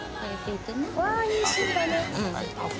いいシーンだね。